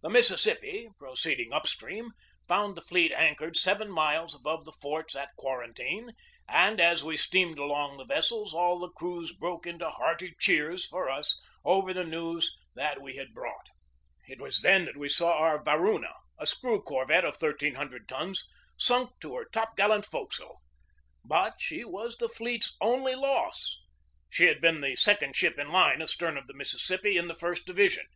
The Mississippi, proceeding upstream, found the fleet anchored seven miles above the forts at quar antine, and, as we steamed among the vessels, all the crews broke into hearty cheers for us over the news that we had brought. It was then that we saw our Faruna, a screw corvette of thirteen hun dred tons, sunk to her top gallant forecastle. But she was the fleet's only loss. She had been the sec ond ship in line astern of the Mississippi in the first division.